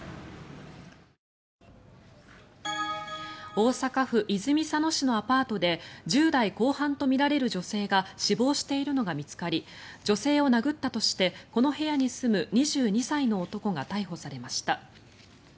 大阪府泉佐野市のアパートで１０代後半とみられる女性が死亡しているのが見つかり女性を殴ったとしてこの部屋に住む２２歳の男が逮捕されました。